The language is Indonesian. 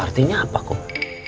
artinya apa kok